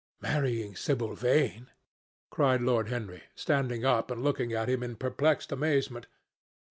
"Marrying Sibyl Vane!" cried Lord Henry, standing up and looking at him in perplexed amazement.